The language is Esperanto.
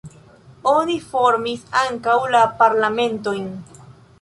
Oni formis ankaŭ la Parlamentojn.